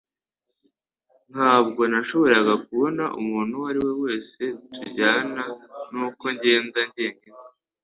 Ntabwo nashoboraga kubona umuntu uwo ari we wese tujyana, nuko ngenda njyenyine.